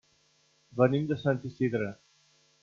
Venim de Sant Isidre.